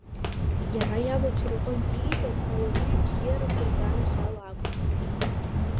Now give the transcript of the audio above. Иара иабацәа рҟынтә ииҵаз, ауаҩы ибзиарақәа рганахь ала акәын.